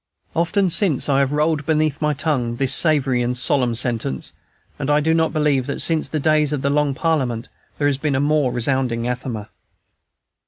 Often since have I rolled beneath my tongue this savory and solemn sentence, and I do not believe that since the days of the Long Parliament there has been a more resounding anathema.